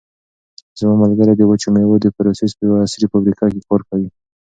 زما ملګری د وچو مېوو د پروسس په یوه عصري فابریکه کې کار کوي.